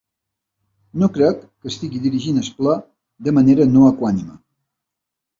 No crec que estigui dirigint el ple de manera no equànime.